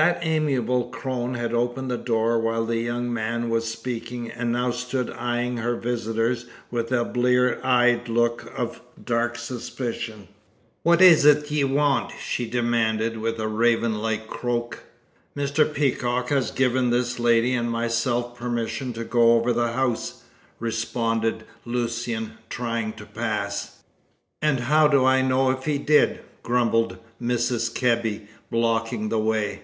That amiable crone had opened the door while the young man was speaking, and now stood eyeing her visitors with a blear eyed look of dark suspicion. "What is't ye want?" she demanded, with a raven like croak. "Mr. Peacock has given this lady and myself permission to go over the house," responded Lucian, trying to pass. "And how do I know if he did?" grumbled Mrs. Kebby, blocking the way.